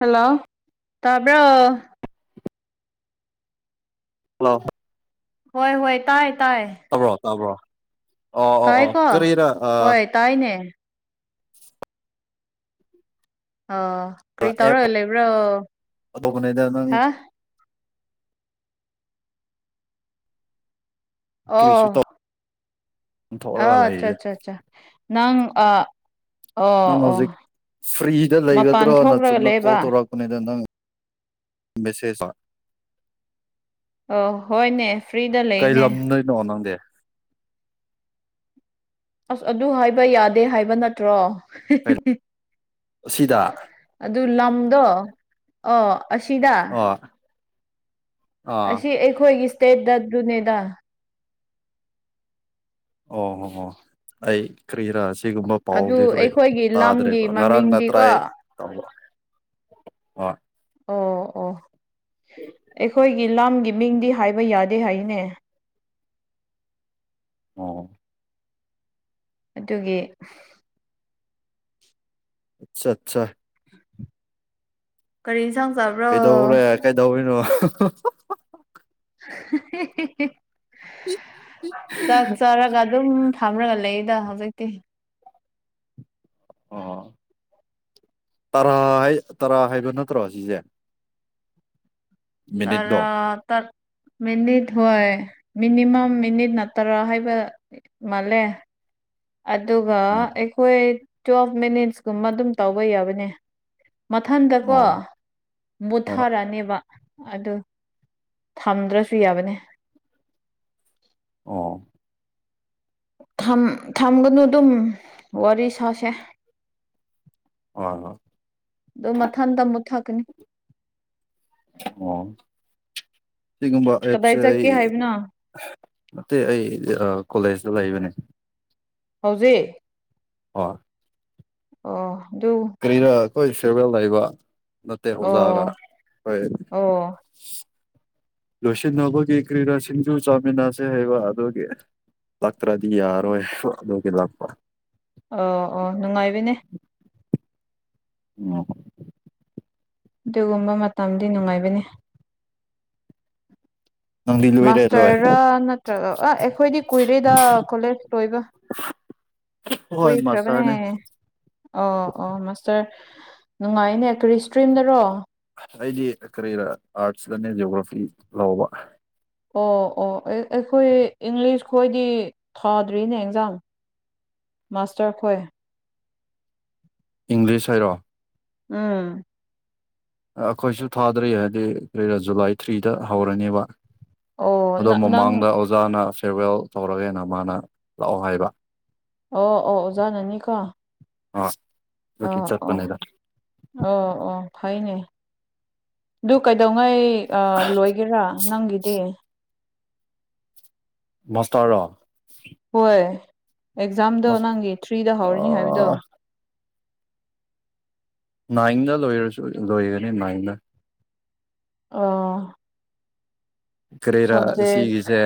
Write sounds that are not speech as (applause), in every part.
Hello ꯇꯥꯕ꯭ꯔꯣ hello ꯍꯣꯏ ꯍꯣꯏ ꯇꯥꯏꯌ‌ꯦ ꯇꯥꯏꯌ‌ꯦ ꯇꯥꯕ꯭ꯔꯣ ꯇꯥꯕ꯭ꯔꯣ ꯑꯣ ꯑꯣ ꯑꯣ ꯇꯥꯏꯀꯣ ꯀꯔꯤꯇꯥꯏ ꯑꯥ ꯍꯣꯏ ꯇꯥꯏꯅꯦ ꯑꯣ ꯀꯔꯤ ꯑꯦꯞ ꯇꯧꯔꯒ ꯂꯩꯕ꯭ꯔꯣ ꯇꯧꯕꯅꯤꯗ ꯍꯥ ꯅꯪ ꯀꯔꯤꯁꯨ ꯑꯣ ꯇꯧ ꯑꯣ ꯊꯣꯛꯂꯒ ꯑꯆꯥ ꯂꯩꯔꯤꯗ ꯑꯆꯥ ꯑꯆꯥ ꯅꯪ ꯑꯥ ꯅꯪ ꯍꯧꯖꯤꯛ ꯐ꯭ꯔꯤꯗ ꯃꯄꯥꯟ ꯂꯩꯒꯗ꯭ꯔ‌ꯣ ꯊꯣꯛꯂꯒ ꯅꯠꯇꯔꯒꯟ ꯀꯣꯜ ꯂꯩꯕ ꯇꯧꯔꯛ ꯇꯧꯔꯛꯄꯅ‌ꯦꯗ ꯅꯪ ꯃꯦꯁꯦꯖ (unintelligible) ꯑꯣ ꯍꯣꯏꯅꯦ ꯐ꯭ꯔꯤꯗ ꯂꯩꯌ‌ꯦꯅꯦ ꯗꯣ ꯅꯪꯗꯤ ꯑꯁ ꯑꯗꯨ ꯍꯥꯏꯕ ꯌꯥꯗꯦ ꯍꯥꯏꯕ ꯅꯠꯇ꯭ꯔꯣ ꯑꯁꯤꯗ ꯑꯗꯨ ꯂꯝꯗꯣ ꯑꯣ ꯑꯁꯤꯗ ꯑꯣ ꯑꯥ ꯑꯁꯤ ꯑꯩꯈꯣꯏꯒꯤ ꯏꯁꯇꯦꯠꯇ ꯗꯨꯅꯦꯗ ꯑꯣ ꯑꯩ ꯀꯔꯤꯔꯥ ꯁꯤꯒꯨꯝꯕ ꯑꯗꯨ ꯄꯥꯎꯗꯤ ꯂꯣꯏ ꯑꯩꯈꯣꯏꯒꯤ ꯂꯝꯒꯤ ꯇꯥꯗ꯭ꯔꯦꯕ ꯉꯔꯥꯡ ꯅꯠꯇꯔꯥ‌ ꯃꯃꯤꯡꯗꯤꯀꯣ ꯑꯩ ꯑꯣ ꯑꯣ ꯑꯩꯈꯣꯏꯒꯤ ꯂꯝꯒꯤ ꯃꯤꯡꯗꯤ ꯍꯥꯏꯕ ꯌꯥꯗꯦ ꯍꯥꯏꯌ‌ꯦꯅꯦ ꯑꯣ ꯑꯗꯨꯒꯤ ꯑꯁꯆꯥ ꯆꯥ ꯀꯔꯤ ꯏꯟꯁꯥꯡ ꯆꯥꯕ꯭ꯔ‌ꯣ ꯀꯩꯗꯧꯔꯦ ꯀꯩꯗꯧꯔꯤꯅꯣ ꯆꯥꯛ ꯆꯥꯔꯒ ꯑꯗꯨꯝ ꯐꯝꯔꯒ ꯂꯩꯌ‌ꯦꯗ ꯍꯧꯖꯤꯛꯇꯤ ꯑꯣ ꯇꯔꯥ ꯍꯥꯏ ꯇꯔꯥ ꯍꯥꯏꯕ ꯅꯠꯇ꯭ꯔꯣ ꯑꯁꯤꯖꯦ ꯇꯔꯥ ꯃꯤꯅꯤꯠꯇꯣ ꯇꯠ ꯃꯤꯅꯤꯠ ꯍꯣꯏ ꯃꯤꯅꯤꯃꯝ ꯃꯤꯅꯤꯠ ꯅꯠꯇꯔꯥ ꯍꯥꯏꯕ ꯃꯥꯜꯂꯦ ꯑꯗꯨꯒ ꯑꯣ ꯑꯩꯈꯣꯏ ꯇ꯭ꯋꯦꯜꯐ ꯃꯤꯅꯤꯠꯁꯀꯨꯝꯕ ꯑꯗꯨꯝ ꯇꯧꯕ ꯌꯥꯕꯅꯦ ꯃꯊꯟꯗꯀꯣ ꯑꯣ ꯑꯣ ꯃꯨꯠꯊꯥꯔꯑꯤꯕ ꯑꯗꯨ ꯊꯝꯗ꯭ꯔꯁꯨ ꯌꯥꯕꯅꯦ ꯑꯣ ꯊꯝ ꯊꯝꯒꯅꯣ ꯑꯗꯨꯝ ꯋꯥꯔꯤ ꯁꯥꯁꯦ ꯍꯣꯏ ꯍꯣꯏ ꯑꯗꯨꯝ ꯃꯊꯟꯇ ꯃꯨꯠꯊꯠꯀꯅꯤ ꯑꯣ ꯁꯤꯒꯨꯝꯕ ꯀꯗꯥꯏ ꯑꯦꯞꯁꯦ ꯆꯠꯀꯦ ꯑꯩ ꯍꯥꯏꯕꯅꯣ ꯅꯠꯇꯦ ꯑꯩ ꯑꯥ ꯀꯣꯂꯦꯖꯇ ꯂꯩꯕꯅꯦ ꯍꯧꯖꯤꯛ ꯍ‌ꯣꯏ ꯑꯣ ꯑꯗꯨ ꯀꯔꯤꯅ ꯑꯩꯈꯣꯏ ꯐꯤꯌꯔꯋꯦꯜ ꯂꯩꯕ ꯅꯠꯇꯦ ꯑ‌ꯣꯖꯥꯒ ꯑꯣ ꯍꯣꯏ ꯑꯣ ꯂꯣꯏꯁꯤꯟꯅꯕꯒꯤ ꯀ꯭ꯔꯤꯔ ꯁꯤꯡꯖ ꯆꯥꯃꯤꯟꯅꯁꯦ ꯍꯥꯏꯕ ꯑꯗꯨꯒꯤ ꯂꯛꯇ꯭ꯔꯗꯤ ꯌꯥꯔꯥꯔꯣꯏ ꯑꯗꯨꯒꯤ ꯂꯥꯛꯄ ꯑꯣ ꯑꯣ ꯅꯨꯡꯉꯥꯏꯕꯅꯦ ꯎꯝ ꯑꯗꯨꯒꯨꯝꯕ ꯃꯇꯝꯗꯤ ꯅꯨꯡꯉꯥꯏꯕꯅꯦ ꯅꯪꯗꯤ ꯂꯣꯏꯔꯦ ꯂꯣꯏ ꯃꯥꯁꯇꯔꯔ ꯅꯠꯇ꯭ꯔꯒ ꯑꯥ ꯑꯩꯈꯣꯏꯗꯤ ꯀꯨꯏꯔꯦꯗ ꯀꯣꯂꯦꯖ ꯂꯣꯏꯕ (unintelligible) ꯍꯣꯏ ꯃꯥꯁꯇꯔꯅꯦ ꯀꯨꯏꯈ꯭ꯔꯥꯕꯅꯦ ꯑꯣ ꯑꯣ ꯃꯥꯁꯇꯔ ꯅꯨꯡꯉꯥꯏꯅꯦ ꯀꯔꯤ ꯏꯁꯇ꯭ꯔꯤꯝꯗꯔꯣ ꯑꯩꯗꯤ ꯀꯔꯤꯔ ꯑꯥꯔꯠꯁꯇꯅꯦ ꯖꯤꯑꯣꯒ꯭ꯔꯥꯐꯤ ꯂꯧꯕ ꯑꯣ ꯑꯣ ꯑꯩꯈꯣꯏ ꯏꯪꯂꯤꯁ ꯈꯣꯏꯗꯤ ꯊꯥꯗ꯭ꯔꯤꯅꯦ ꯑꯦꯛꯖꯥꯝ ꯃꯥꯁꯇꯔꯈꯣꯏ ꯏꯪꯂꯤꯁ ꯍꯥꯏꯔꯣ ꯎꯝ ꯑꯩꯈꯣꯏꯁꯨ ꯊꯥꯗꯔꯤ ꯍꯥꯏꯗꯤ ꯀꯔꯤꯔꯥ ꯖꯨꯂꯥꯏ ꯊ꯭ꯔꯤꯗ ꯍꯧꯔꯅꯤꯕ ꯑꯣ ꯑꯗꯣ ꯅꯪ ꯃꯃꯥꯡꯗ ꯑꯣꯖꯥꯅ ꯐꯤꯔꯋꯦꯜ ꯇꯧꯔꯒꯦꯅ ꯃꯥꯅ ꯂꯥꯛꯑꯣ ꯍꯥꯏꯕ ꯑꯣ ꯑꯣ ꯑꯣꯖꯥꯅꯤ ꯀꯣ ꯑ ꯑꯣꯀꯦ ꯆꯠꯄꯅꯦꯗ ꯑꯣ ꯑꯣ ꯐꯩꯅꯦ ꯗꯨ ꯀꯥꯏꯗꯧꯉꯥꯏ ꯑ ꯂꯣꯏꯒꯦꯔꯥ ꯅꯪꯒꯤꯗꯤ ꯃꯁꯇꯔꯔꯣ ꯍꯣꯏ ꯑꯦꯛꯖꯥꯝꯗꯣ ꯅꯪꯒꯤ ꯊ꯭ꯔꯤꯗ ꯍꯧꯔꯅꯤ ꯍꯥꯏꯕꯗꯣ ꯑꯥ ꯅꯥꯏꯟꯗ ꯂꯣꯏꯔꯁꯨ ꯂꯣꯏꯒꯅꯤ ꯅꯥꯏꯟꯗ ꯑꯥ ꯀꯔꯦꯔꯥ ꯁꯕꯖꯦꯛ ꯁꯤꯒꯤꯁꯦ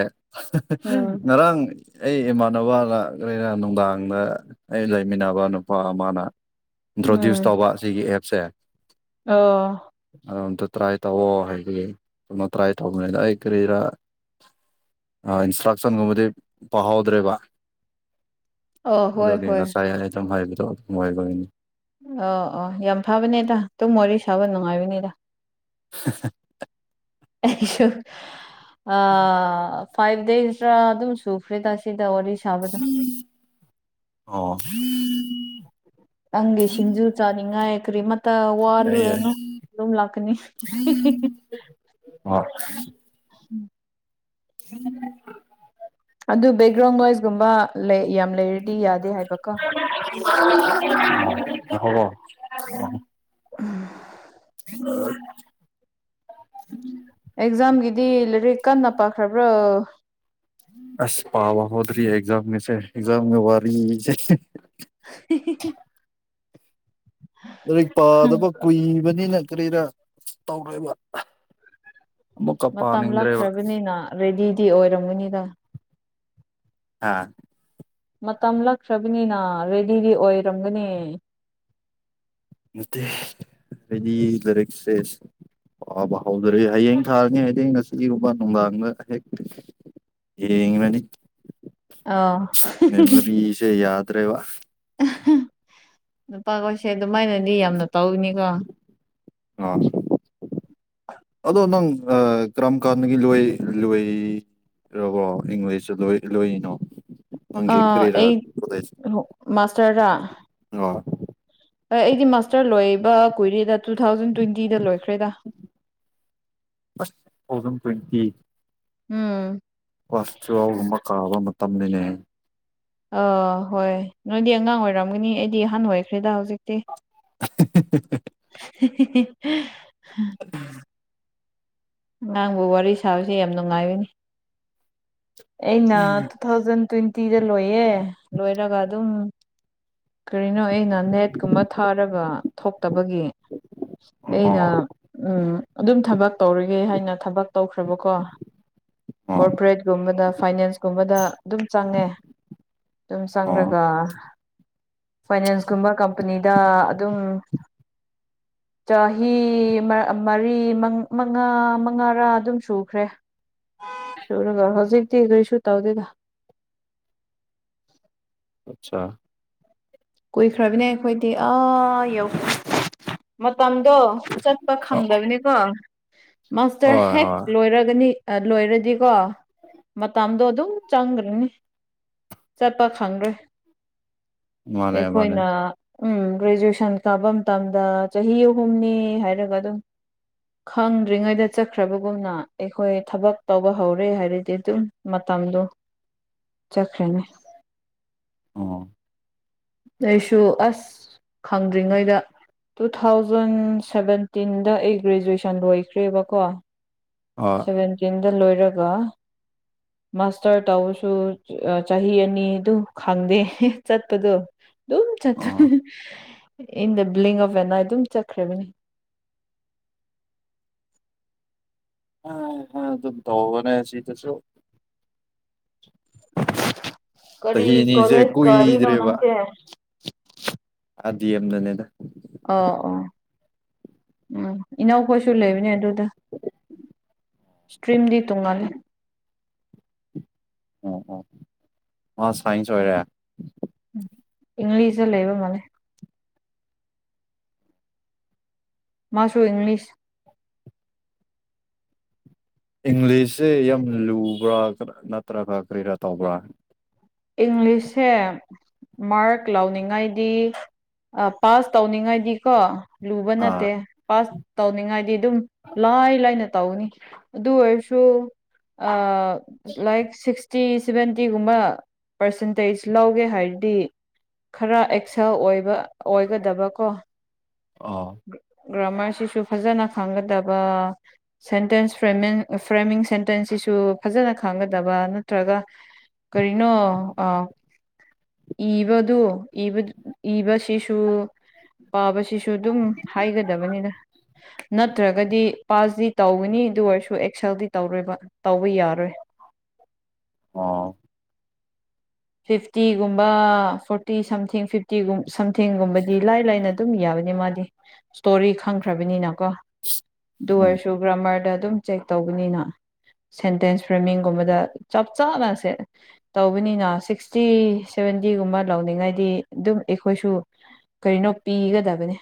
ꯎꯝ ꯉꯔꯥꯡ ꯑꯩ ꯏꯃꯥꯟꯅꯕꯒ ꯂꯩꯔ ꯅꯨꯡꯗꯥꯡꯗ ꯑꯩ ꯂꯩꯃꯤꯟꯅꯕ ꯅꯨꯄꯥ ꯑꯃꯅ ꯏꯟꯇ꯭ꯔꯣꯗ꯭ꯌꯨꯁ ꯎꯝ ꯇꯧꯕ ꯑꯁꯤꯒꯤ ꯑꯦꯞꯁꯦ ꯑꯣ ꯑꯗꯣ ꯑꯝꯇ ꯇ꯭ꯔꯥꯏ ꯇꯧꯑꯣ ꯍꯥꯏꯕꯒꯤ ꯑꯃ ꯇ꯭ꯔꯥꯏ ꯇꯧꯕꯅꯤꯅ ꯑꯩ ꯀꯔꯤꯔ ꯏꯟꯁꯇ꯭ꯔꯛꯁꯟꯒꯨꯝꯕꯗꯤ ꯄꯥꯎꯍꯧꯗ꯭ꯔꯦꯕ ꯑꯣ ꯍꯣꯏ ꯑꯗꯨꯒꯤ ꯍꯣꯏ ꯉꯁꯥꯏ ꯍꯥꯏ ꯑꯗꯨꯝ ꯍꯥꯏꯕꯗꯣ ꯑꯗꯨꯝ ꯑꯣꯏꯒꯤꯅꯤ ꯑꯣ ꯑꯣ ꯌꯥꯝ ꯐꯕꯅꯦꯗ ꯑꯗꯨꯝ ꯋꯥꯔꯤ ꯁꯥꯕ ꯅꯨꯡꯉꯥꯏꯕꯅꯤꯗ (unintelligible) ꯑꯩꯁꯨ ꯑ ꯐꯥꯏꯚ ꯗꯦꯁꯇ꯭ꯔꯥ ꯑꯗꯨꯝ ꯁꯨꯈ꯭ꯔꯦꯗ ꯁꯤꯗ ꯋꯥꯔꯤ ꯁꯥꯕꯗꯣ ꯑꯣ ꯅꯪꯒꯤ ꯁꯤꯡꯖꯨ ꯆꯥꯅꯤꯡ ꯉꯥꯏ ꯀꯔꯤ ꯃꯠ ꯇ ꯌꯥꯏ ꯌꯥꯏ ꯋꯥꯂꯨꯔꯅꯨ ꯑꯗꯨꯝ ꯂꯥꯛꯀꯅꯤ ꯍꯣꯏ ꯎꯝ (inaudible) ꯑꯗꯨ ꯕꯦꯛꯒ꯭ꯔꯥꯎꯟ ꯅꯣꯏꯁꯀꯨꯝꯕ ꯌꯥꯝ ꯂꯩꯔꯗꯤ ꯌꯥꯗꯦ ꯍꯥꯏꯕꯀꯣ ꯍꯕ (unintelligible) ꯎꯝ ꯎꯝ (inaudible) ꯑꯦꯛꯖꯥꯝꯒꯤꯗꯤ ꯂꯥꯏꯔꯤꯛ ꯀꯟꯅ ꯄꯥꯈ꯭ꯔꯕ꯭ꯔꯥ ꯑꯁ ꯄꯥꯕ ꯍꯧꯗꯔꯤ ꯑꯦꯛꯖꯥꯝꯒꯤꯁꯦ ꯑꯦꯛꯖꯥꯝꯒ ꯋꯥꯔꯤꯁꯦ (unintelligible) ꯂꯥꯏꯔꯤꯛ ꯄꯥꯗꯕ ꯀꯨꯏꯕꯅꯤꯅ ꯀꯔꯤꯔꯥ ꯇꯧꯔꯦꯕ ꯃꯃꯨꯛꯀ ꯃꯇꯝ ꯄꯅꯤꯡꯗ꯭ꯔꯦꯕ ꯂꯥꯛꯈ꯭ꯔꯕꯅꯤꯅ ꯔꯦꯗꯤꯗꯤ ꯑꯣꯏꯔꯝꯒꯅꯤꯗ ꯑꯥ ꯃꯇꯝ ꯂꯛꯈ꯭ꯔꯕꯅꯤꯅ ꯔꯦꯗꯤꯗꯤ ꯑꯣꯏꯔꯝꯒꯅꯤ ꯅꯠꯇꯦ ꯔꯦꯗꯤ ꯂꯥꯏꯔꯛ ꯁꯦ꯫ ꯄꯥꯕ ꯍꯧꯗꯔꯦ ꯍꯌꯦꯡ ꯊꯥꯔꯅꯤ ꯍꯥꯏꯔꯗꯤ ꯉꯁꯤꯒꯨꯝꯕ ꯅꯨꯡꯗꯥꯡꯗ ꯈꯔꯥꯍꯦꯛ ꯌꯦꯡꯂꯅꯤ ꯑꯥ ꯃꯦꯃꯣꯔꯤꯁꯦ ꯌꯥꯗ꯭ꯔꯦꯕ ꯅꯨꯄꯥꯈꯣꯏꯁꯦ ꯑꯗꯨꯃꯥꯏꯅꯗꯤ ꯌꯥꯝꯅ ꯇꯧꯒꯅꯤꯀꯣ ꯑꯥ ꯑꯗꯣ ꯅꯪ ꯑꯥ ꯀꯔꯝ ꯀꯥꯟꯗꯒꯤ ꯂꯣꯏ ꯂꯣꯏꯔꯕꯣ ꯏꯪꯂꯤꯁꯇ ꯂꯣꯏ ꯂꯣꯏꯔꯤꯅꯣ ꯑ ꯅꯪꯒꯤ ꯑꯩ ꯀꯔꯤꯔꯥ ꯀꯣꯂꯦꯖ ꯃꯥꯁꯇꯔ ꯔꯥ ꯑꯣ ꯍꯣꯏ ꯑꯩꯗꯤ ꯃꯥꯁꯇꯔ ꯂꯣꯏꯕ ꯀꯨꯏꯔꯦꯗ ꯇꯨ ꯊꯥꯎꯖꯟ ꯇ꯭ꯋꯦꯟꯇꯤꯗ ꯂꯣꯏꯈ꯭ꯔꯦꯗ ꯑꯁ ꯇꯨ ꯊꯥꯎꯖꯟ ꯇ꯭ꯋꯦꯟꯇꯤ ꯎꯝ ꯀ꯭ꯂꯥꯁ ꯇ꯭ꯋꯦꯜꯒꯨꯝꯕ ꯀꯥꯕ ꯃꯇꯝꯅꯤꯅꯦ ꯑꯧ ꯍꯣꯏ ꯅꯣꯏꯗꯤ ꯑꯉꯥꯡ ꯑꯣꯏꯔꯝꯒꯅꯤ ꯑꯩꯗꯤ ꯑꯍꯟ ꯑꯣꯏꯈ꯭ꯔꯦꯗ ꯍꯧꯖꯤꯛꯇꯤ (unintelligible) (unintelligible) (unintelligible) ꯑꯉꯥꯡꯕꯨ ꯋꯥꯔꯤ ꯁꯥꯕꯁꯦ ꯌꯥꯝ ꯅꯨꯡꯉꯥꯏꯕꯅꯤ ꯑꯩꯅ ꯇꯨ ꯊꯥꯎꯖꯟ ꯇ꯭ꯋꯦꯟꯇꯤꯗ ꯂꯣꯏꯌꯦ ꯂꯣꯏꯔꯒ ꯑꯗꯨꯝ ꯀꯔꯤꯅꯣ ꯑꯩꯅ ꯅꯦꯠꯀꯨꯝꯕ ꯊꯥꯔꯒ ꯊꯣꯛꯇꯕꯒꯤ ꯑꯩꯅ ꯑꯣ ꯎꯝ ꯑꯗꯨꯝ ꯊꯕꯛ ꯇꯧꯔꯒꯦ ꯍꯥꯏꯅ ꯊꯕꯛ ꯇꯧꯈ꯭ꯔꯕꯀꯣ ꯑꯣ ꯀꯣꯔꯄꯣꯔꯦꯠ ꯀꯨꯝꯕꯗ ꯐꯥꯏꯅꯥꯟꯁꯀꯨꯝꯕꯗ ꯑꯗꯨꯝ ꯆꯪꯉꯦ ꯑꯗꯨꯝ ꯑꯣ ꯆꯪꯔꯒ ꯐꯥꯏꯅꯥꯟꯁꯀꯨꯝꯕ ꯀꯝꯄꯅꯤꯗ ꯑꯗꯨꯝ (inaudible) ꯆꯍꯤ ꯃꯥ ꯃꯔꯤ ꯃꯉꯥ ꯃꯉꯥꯔꯥ ꯑꯗꯨꯝ ꯁꯨꯈ꯭ꯔꯦ ꯁꯨꯔꯒ ꯍꯧꯖꯤꯛꯇꯤ ꯀꯔꯤꯁꯨ ꯇꯧꯗꯦꯗ ꯑꯠꯁꯥ ꯀꯨꯏꯈ꯭ꯔꯕꯤꯅꯦ ꯑꯩꯈꯣꯏꯗꯤ ꯑꯥ ꯌꯧꯈ꯭ꯔꯦ ꯃꯇꯝꯗꯣ ꯆꯠꯄ ꯈꯪꯗꯕꯅꯤꯀꯣ ꯃꯁꯇꯔ ꯍꯣꯏ ꯍꯦꯛ ꯍꯣꯏ ꯂꯣꯏꯔꯒꯅꯤ ꯑꯥ ꯂꯣꯏꯔꯗꯤꯀꯣ ꯃꯇꯝꯗꯣ ꯑꯗꯨꯝ ꯆꯪꯒ꯭ꯔꯅꯤ ꯆꯠꯄ ꯈꯪꯂꯣꯏ ꯃꯥꯅꯦ ꯃꯥꯅꯦ ꯑꯩꯈꯣꯏꯅ ꯎꯝ ꯒ꯭ꯔꯦꯖꯨꯑꯦꯁꯟ ꯀꯥꯕ ꯃꯇꯝꯗ ꯆꯍꯤ ꯑꯍꯨꯝꯅꯤ ꯍꯥꯏꯔꯒ ꯑꯗꯨꯝ ꯈꯪꯗ꯭ꯔꯤꯉꯩꯗ ꯆꯠꯈ꯭ꯔꯕꯒꯨꯝꯅ ꯑꯩꯈꯣꯏ ꯊꯕꯛ ꯇꯧꯕ ꯍꯧꯔꯦ ꯍꯥꯏꯔꯗꯤ ꯑꯗꯨꯝ ꯃꯇꯝꯗꯣ (inaudible) ꯆꯠꯈ꯭ꯔꯅꯤ ꯑꯣ ꯑꯩꯁꯨ ꯑꯁ ꯈꯪꯗ꯭ꯔꯤꯉꯩꯗ ꯇꯨ ꯊꯥꯎꯖꯟ ꯁꯕꯦꯟꯇꯤꯟꯗ ꯑꯩ ꯒ꯭ꯔꯦꯖꯨꯑꯦꯁꯟ ꯂꯣꯏꯈ꯭ꯔꯦꯕꯀꯣ ꯍꯣꯏ ꯁꯚꯦꯟꯇꯤꯟꯗ ꯂꯣꯏꯔꯒ ꯃꯁꯇꯔ ꯇꯧꯕꯁꯨ ꯆꯍꯤ ꯑꯅꯤꯗꯨ ꯈꯪꯗꯦ ꯆꯠꯄꯗꯣ ꯑꯗꯨꯝ ꯑ ꯆꯠꯇꯣꯏꯅꯤ ꯏꯟ ꯗ ꯕ꯭ꯂꯤꯡ ꯑꯣꯐ ꯑꯦꯟ ꯑꯥꯅ ꯑꯗꯨꯝ ꯆꯠꯈ꯭ꯔꯕꯅꯤ ꯑꯥ ꯑꯥ ꯑꯗꯨꯝ ꯇꯧꯔꯣꯅꯦ ꯁꯤꯗꯁꯨ ꯀꯔꯤ ꯆꯍꯤ ꯑꯅꯤꯁꯦ ꯀꯣꯂꯦꯖ ꯀꯥꯔꯤꯅꯣ ꯀꯨꯏꯗ꯭ꯔꯦꯕ ꯅꯪꯁꯦ ꯑꯥ ꯗꯤ ꯑꯦꯝꯗꯅꯤꯗ ꯑꯣ ꯑꯣ ꯎꯝ ꯏꯅꯥꯎꯈꯣꯏꯁꯨ ꯂꯩꯕꯅꯦ ꯑꯗꯨꯗ ꯁꯇ꯭ꯔꯤꯝꯗꯤ ꯇꯣꯡꯉꯥꯟꯂꯦ ꯑꯣ ꯑꯣ ꯃꯥ ꯁꯥꯏꯟꯁ ꯑꯣꯏꯔꯦ ꯎꯝ ꯏꯪꯂꯤꯁꯇ ꯂꯩꯕ ꯃꯥꯜꯂꯦ ꯃꯥꯁꯨ ꯏꯪꯂꯤꯁ ꯏꯪꯂꯤꯁꯁꯦ ꯌꯥꯝ ꯂꯨꯕ꯭ꯔꯥ ꯅꯠꯇ꯭ꯔꯒ ꯀꯔꯤꯔꯥ ꯇꯧꯕ꯭ꯔꯥ ꯏꯪꯂꯤꯁꯁꯦ ꯃ꯭ꯔꯥꯛ ꯂꯥꯎꯅꯤꯡꯉꯥꯏꯗꯤ ꯑ ꯄꯥꯁ ꯇꯧꯅꯤꯡꯉꯥꯏꯗꯤꯀꯣ ꯂꯨꯕ ꯑꯥ ꯅꯠꯇꯦ ꯄꯥꯁ ꯇꯧꯅꯤꯡꯉꯥꯏꯗꯤ ꯑꯗꯨꯝ ꯂꯥꯏ ꯂꯥꯏꯅ ꯇꯧꯅꯤ ꯑꯗꯨ ꯑꯣꯏꯔꯁꯨ ꯑ ꯂꯥꯏꯛ ꯁꯤꯛꯁꯇꯤ ꯁꯚꯦꯟꯇꯤꯒꯨꯝꯕ ꯄꯥꯔꯁꯦꯟꯇꯦꯖ ꯂꯧꯒꯦ ꯍꯥꯏꯔꯗꯤ ꯈꯔ ꯑꯦꯛꯁꯦꯜ ꯑꯣꯏꯕ ꯑꯣꯏꯒꯗꯕꯀꯣ ꯑꯣ ꯒ꯭ꯔꯥꯃꯔꯁꯤꯁꯨ ꯐꯖꯅ ꯈꯪꯒꯗꯕ ꯁꯦꯟꯇꯦꯟꯁ ꯐ꯭ꯔꯦꯃꯦꯟ ꯐ꯭ꯔꯦꯃꯤꯡ ꯁꯦꯟꯇꯦꯟꯁꯁꯤꯁꯨ ꯐꯖꯅ ꯈꯪꯒꯗꯕ ꯅꯠꯇ꯭ꯔꯒ ꯀꯔꯤꯅꯣ ꯑ ꯏꯕꯗꯨ ꯏꯕꯗꯨ ꯏꯕꯁꯤꯁꯨ ꯄꯥꯕꯁꯤꯁꯨ ꯑꯗꯨꯝ ꯍꯥꯏꯒꯗꯕꯅꯤꯗ ꯅꯠꯇ꯭ꯔꯒꯗꯤ ꯄꯥꯁꯗꯤ ꯇꯧꯒꯅꯤ ꯑꯗꯨ ꯑꯣꯏꯔꯁꯨ ꯑꯦꯛꯁꯦꯜꯗꯤ ꯇꯧꯔꯣꯏꯕ ꯇꯧꯕ ꯌꯥꯔꯣꯏ ꯑꯣ ꯐꯤꯞꯇꯤꯒꯨꯝꯕ ꯐꯣꯔꯇꯤ ꯁꯝꯊꯤꯡ ꯐꯤꯞꯇꯤꯒꯨꯝ ꯁꯝꯊꯤꯡꯒꯨꯝꯕꯗꯤ ꯂꯥꯏ ꯂꯥꯏꯅ ꯑꯗꯨꯝ ꯌꯥꯕꯅꯤ ꯃꯥꯗꯤ ꯏꯁꯇꯣꯔꯤ ꯈꯪꯈ꯭ꯔꯕꯅꯤꯅꯀꯣ ꯗꯨ ꯎꯝ ꯑꯣꯔꯁꯨ ꯒ꯭ꯔꯃꯥꯔꯗ ꯑꯗꯨꯝ ꯆꯦꯛ ꯇꯧꯕꯅꯤꯅ ꯁꯦꯟꯇꯦꯟꯁ ꯐ꯭ꯔꯦꯃꯤꯡꯒꯨꯝꯕꯗ ꯆꯞ ꯆꯥꯅ ꯁꯦ ꯇꯧꯕꯅꯤꯅ ꯁꯤꯛꯁꯇꯤ ꯁꯚꯦꯟꯇꯤꯒꯨꯝꯕ ꯂꯧꯅꯤꯡꯉꯥꯏꯗꯤ ꯗꯨꯝ ꯑꯦꯈꯣꯏꯁꯨ ꯀꯔꯤꯅꯣ ꯄꯤꯒꯗꯕꯅꯤ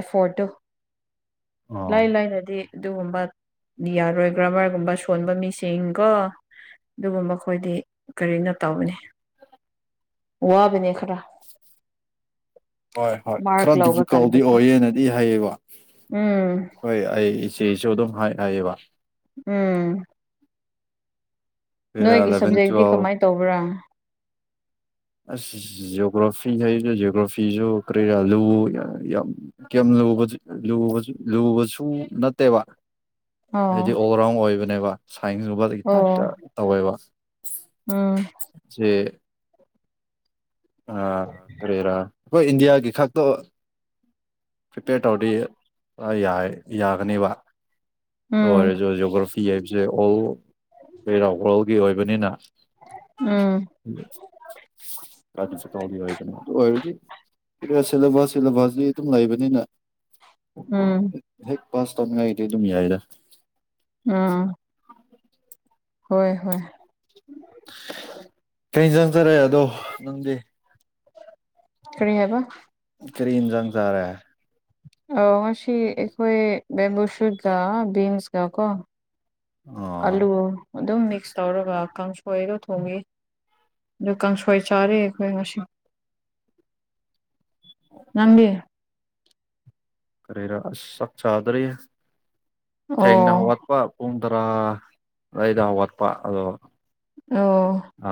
ꯑꯦꯐꯣꯔꯠꯇꯣ ꯂꯥꯏ ꯑꯣ ꯂꯥꯏꯅꯗꯤ ꯑꯗꯨꯒꯨꯝꯕ ꯌꯥꯔꯣꯏ ꯒ꯭ꯔꯥꯃꯔꯒꯨꯝꯕ ꯁꯣꯟꯕ ꯃꯤꯁꯤꯡꯀꯣ ꯑꯗꯨꯕꯨ ꯃꯈꯣꯏꯗꯤ ꯀꯔꯤꯅꯣ ꯇꯧꯕꯅꯤ (unintelligible) ꯋꯥꯕꯅꯦ ꯈꯔ ꯍꯣꯏ ꯍꯣꯏ ꯃꯥꯔꯛ ꯈꯔ ꯂꯧꯕ ꯗꯤꯐꯤꯀꯥꯜꯗꯤ ꯀꯥꯟꯗꯀꯣ ꯑꯣꯏꯌꯦꯅꯗꯤ ꯍꯥꯏꯌꯦꯕ ꯎꯝ ꯍꯣꯏ ꯑꯩ ꯑꯦꯁꯨ ꯑꯗꯨꯝ ꯍꯥꯏ ꯍꯥꯏꯌꯦꯕ ꯎꯝ ꯀꯔꯤꯔꯥ ꯅꯣꯏꯒꯤ ꯑꯦꯂꯚꯦꯟ ꯁꯕꯖꯦꯛꯇꯤ ꯇꯨꯋꯦꯜꯕ ꯀꯃꯥꯏꯟ ꯇꯧꯕ꯭ꯔꯥ ꯑꯁ ꯖꯤꯑꯣꯒ꯭ꯔꯥꯐꯤ ꯍꯥꯏꯖꯨ ꯖꯤꯑꯣꯒ꯭ꯔꯥꯐꯤꯖꯨ ꯀꯔꯤꯔꯥ ꯂꯨ ꯌ ꯌꯥꯝ ꯀꯦꯝ ꯂꯨꯕꯖꯨ ꯂꯨꯕꯖꯨ ꯂꯨꯕꯁꯨ ꯅꯠꯇꯦꯕ ꯑꯣ ꯍꯥꯏꯗꯤ ꯑꯣꯜ ꯔꯥꯎꯟ ꯑꯣꯏꯕꯅꯦꯕ ꯁꯥꯏꯟꯁ ꯒꯨꯝꯕꯗꯒꯤ ꯑꯣ ꯇꯥꯏꯞꯇ ꯇꯧꯋꯦꯕ ꯎꯝ ꯆꯦ ꯑ ꯀꯔꯤꯔꯥ ꯈꯣꯏ ꯏꯟꯗꯤꯌꯥꯒꯤ ꯈꯛꯇ ꯄ꯭ꯔꯤꯄꯦꯌꯔ ꯇꯧꯔꯗꯤ ꯌꯥꯏ ꯌꯥꯒꯅꯤꯕ ꯗꯨ ꯎꯝ ꯑꯣꯏꯔꯁꯨ ꯖꯤꯑꯣꯒ꯭ꯔꯥꯐ ꯐꯤ ꯍꯥꯏꯕꯖꯦ ꯑꯣꯜ ꯀꯩꯔꯥꯎ ꯋꯥꯔꯜꯒꯤ ꯑꯣꯏꯕꯅꯤꯅ ꯎꯝ ꯈꯔ ꯗꯤꯐꯤꯀꯜꯗꯤ ꯑꯣꯏꯕꯅꯦ ꯑꯗꯨ ꯑꯣꯏꯔꯖꯨ (unintelligible) ꯁꯤꯂꯦꯕꯁ ꯁꯤꯂꯦꯕꯁꯖꯤ ꯑꯗꯨꯝ ꯂꯩꯕꯅꯤꯅ ꯎꯝ ꯍꯦꯛ ꯄꯥꯁ ꯇꯧꯅꯤꯡꯉꯥꯏꯗꯤ ꯑꯗꯨꯝ ꯌꯥꯏꯗ ꯎꯝ ꯍꯣꯏ ꯍꯣꯏ ꯀꯩ ꯏꯟꯖꯥꯡ ꯆꯥꯔꯦ ꯑꯗꯣ ꯅꯪꯗꯤ ꯀꯔꯤ ꯍꯥꯏꯕ ꯀꯔꯤ ꯏꯟꯖꯥꯡ ꯆꯥꯔꯦ ꯑꯧ ꯉꯁꯤ ꯑꯩꯈꯣꯏ ꯕꯦꯝꯕꯨ ꯁꯨꯠꯀꯥ ꯕꯤꯟꯁ ꯀ ꯀꯣ ꯑꯣ ꯑꯂꯨ ꯑꯗꯨꯝ ꯃꯤꯛꯁ ꯇꯧꯔꯒ ꯀꯥꯡꯁꯣꯏꯗꯣ ꯊꯣꯡꯉꯦ ꯑꯗꯨ ꯀꯥꯡꯁꯣꯏ ꯆꯥꯔꯦ ꯑꯩꯈꯣꯏ ꯉꯁꯤ ꯅꯪꯗꯤ ꯀꯔꯤꯔ ꯑꯁ ꯆꯥꯛ ꯆꯥꯗ꯭ꯔꯤ ꯊꯦꯡꯅ ꯑꯣ ꯍꯧꯒꯠ ꯄ ꯄꯨꯡ ꯇꯔꯥ ꯑꯗꯨꯋꯥꯏꯗ ꯍꯧꯒꯠꯄ ꯑꯗꯣ ꯑꯣ ꯑ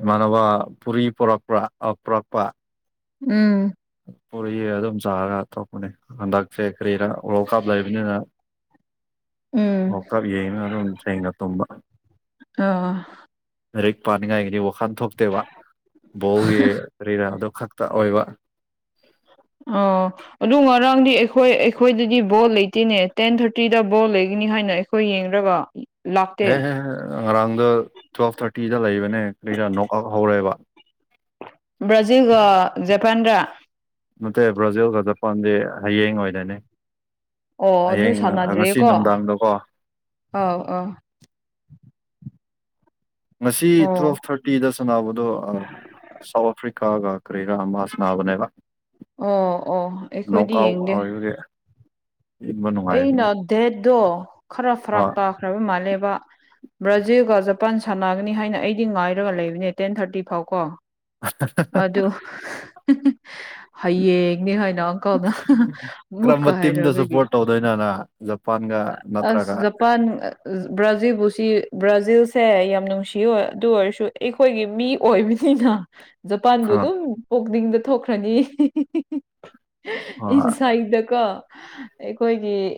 ꯏꯃꯥꯟꯅꯕ ꯄꯨꯔꯤ ꯄꯨꯔꯛꯄ꯭ꯔꯥ ꯑ ꯄꯨꯔꯛꯄ ꯎꯝ ꯄꯨꯔꯤ ꯑꯗꯨꯝ ꯆꯥꯔꯒ ꯇꯣꯛꯄꯅꯦ ꯍꯟꯗꯛꯁꯦ ꯀꯔꯤꯔ ꯋ꯭ꯔꯥꯜ ꯀꯞ ꯂꯩꯕꯅꯤꯅ ꯎꯝ ꯋꯥ꯭ꯔꯜ ꯀꯞ ꯌꯦꯡꯉꯒ ꯑꯗꯨꯝ ꯊꯦꯡꯅ ꯇꯨꯝꯕ ꯑꯣ ꯂꯥꯏꯔꯤꯛ ꯄꯥꯅꯤꯡꯉꯥꯏꯒꯤꯗꯤ ꯋꯥꯈꯜ ꯊꯣꯛꯇꯦꯕ ꯕꯣꯜꯒꯤ ꯀꯔꯤꯔꯥ ꯑꯗꯨ ꯈꯛ ꯇ ꯑꯣꯏꯕ ꯑꯣ ꯑꯗꯨ ꯉꯔꯥꯡꯗꯤ ꯑꯩ ꯈꯣꯏ ꯑꯩꯈꯣꯏꯗꯗꯤ ꯕꯣꯜ ꯂꯩꯇꯦꯅꯦ ꯇꯦꯟ ꯊꯥꯔꯇꯤꯗ ꯕꯣꯜ ꯂꯩꯒꯅꯤ ꯍꯥꯏꯅ ꯑꯩꯈꯣꯏ ꯌꯦꯡꯔꯒ ꯂꯥꯛꯇꯦ ꯍꯦ ꯍꯦ ꯍꯦ ꯉꯔꯥꯡꯗꯣ ꯇꯨꯋꯦꯜꯞ ꯊꯥꯔꯇꯤꯗ ꯂꯩꯕꯅꯦ ꯀꯔꯤꯔꯥ ꯅꯣꯛ ꯑꯥꯎꯠ ꯍꯧꯔꯦꯕ ꯕ꯭ꯔꯥꯖꯤꯜꯒ ꯖꯄꯥꯟꯔꯥ ꯅꯠꯇꯦ ꯕ꯭ꯔꯥꯖꯤꯜꯒ ꯖꯄꯥꯟꯗꯤ ꯍꯌꯦꯡ ꯑꯣꯏꯗꯣꯏꯅꯦ ꯑꯣ ꯑꯗꯨ ꯍꯌꯦꯡ ꯉꯁꯤ ꯅꯨꯡꯗꯥꯡꯗꯀꯣ ꯑꯥꯎ ꯑꯥꯎ ꯃꯁꯤ ꯑꯣ ꯇꯨꯌꯦꯐ ꯊꯥꯔꯇ ꯇꯤꯗ ꯁꯥꯟꯅꯕꯗꯣ ꯁꯥꯎꯠ ꯑꯐ꯭ꯔꯤꯀꯥꯒ ꯀꯔꯤꯔꯥ ꯑꯃꯥ ꯁꯥꯟꯅꯕꯅꯦꯕ ꯑꯣ ꯑꯣ ꯅꯣꯛ ꯑꯩꯈꯣꯏꯗꯤ ꯑꯥꯎꯠ ꯌꯦꯡꯗꯦ ꯑꯣꯏꯕꯒꯤ ꯌꯦꯡꯕ ꯅꯨꯡꯉꯥꯏꯕꯅꯦ ꯑꯩꯅ ꯗꯦꯠꯇꯣ ꯈꯔ ꯐꯔꯥꯛ ꯍꯣꯏ ꯇꯥꯈ꯭ꯔꯕ ꯃꯥꯜꯂꯦꯕ ꯕ꯭ꯔꯥꯖꯤꯜꯒ ꯖꯄꯥꯟ ꯁꯥꯟꯅꯒꯅꯤ ꯍꯥꯏꯅ ꯑꯩꯗꯤ ꯉꯥꯏꯔꯒ ꯂꯩꯕꯅꯦ ꯇꯦꯟ ꯊꯥꯔꯇꯤ ꯐꯥꯎ ꯀꯣ ꯑꯗꯨ ꯍꯌꯦꯡꯅꯦ ꯍꯥꯏꯅ (unintelligible) ꯀꯔꯝꯕ ꯑꯃꯨꯛꯀ ꯇꯤꯝꯗ ꯁꯞꯄꯣꯔꯠ ꯍꯥꯏꯔꯛꯕꯒꯤ ꯇꯧꯗꯣꯏꯅꯣ ꯅꯪ ꯖꯄꯥꯟꯒ ꯅꯠꯇ꯭ꯔꯒ ꯑꯁ ꯖꯞ ꯄꯥꯟ ꯑ ꯕ꯭ꯔꯥꯖꯤꯜꯕꯨꯁꯤ ꯕ꯭ꯔꯥꯖꯤꯜꯁꯦ ꯌꯥꯝ ꯅꯨꯡꯁꯤꯌꯦ ꯍꯣꯏ ꯑꯗꯨ ꯑꯣꯏꯔꯁꯨ ꯑꯩꯈꯣꯏꯒꯤ ꯃꯤ ꯑꯣꯏꯕꯅꯤꯅ ꯖꯄꯥꯟꯕꯨ ꯍ ꯑꯗꯨꯝ ꯄꯨꯛꯅꯤꯡꯗ ꯊꯣꯛꯈ꯭ꯔꯅꯤ ꯍꯣꯏ ꯏꯟꯁꯥꯏꯠꯗꯀꯣ ꯑꯩꯈꯣꯏꯒꯤ